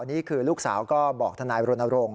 อันนี้คือลูกสาวก็บอกทนายโรนโรง